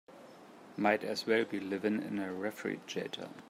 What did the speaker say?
Might as well be living in a refrigerator.